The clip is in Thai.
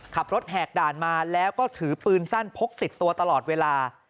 แหกด่านมาแล้วก็ถือปืนสั้นพกติดตัวตลอดเวลา